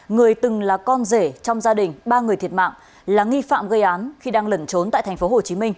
người từng là con rể trong gia đình ba người thiệt mạng là nghi phạm gây án khi đang lẩn trốn tại tp hcm